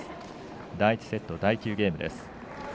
第１セット、第９ゲームです。